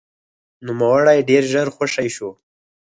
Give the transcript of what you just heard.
نوموړی ډېر ژر خوشې شو.